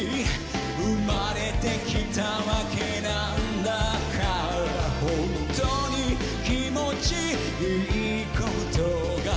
「生まれて来たわけなんだから」「ホントに気持ちいいことが」